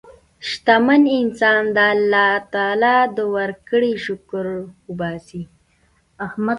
شتمن انسان د الله د ورکړې شکر وباسي.